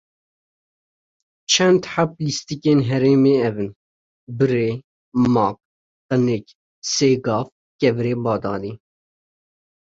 çend heb lîstikên herêmê ev in: Birê, maq, qinik, sêgav, kevirê badanê